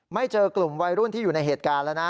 เจอกลุ่มวัยรุ่นที่อยู่ในเหตุการณ์แล้วนะ